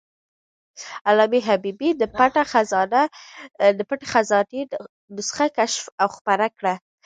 علامه حبیبي د "پټه خزانه" نسخه کشف او خپره کړه.